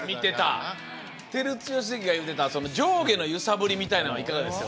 照強関が言うてた上下の揺さぶりみたいなんはいかがでした？